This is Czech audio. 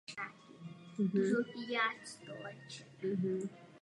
To není nic jiného než pokrytectví!